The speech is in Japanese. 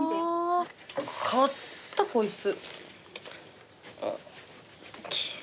かったこいつ。